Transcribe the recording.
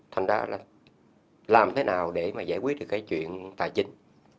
thành ra là làm thế nào để mà giải quyết được cái chuyện tài chính